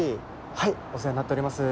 はいお世話になっております。